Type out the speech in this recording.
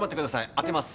当てます。